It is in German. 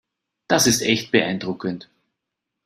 Das ist echt beeindruckend.